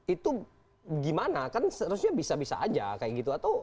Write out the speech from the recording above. itu gimana kan seharusnya bisa bisa aja kayak gitu